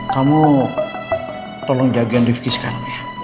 kamu tolong jagain rifki sekarang ya